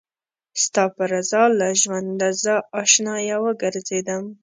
ستا په رضا له ژونده زه اشنايه وګرځېدم